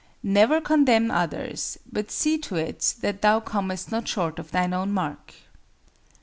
Never condemn others; but see to it that thou comest not short of thine own mark."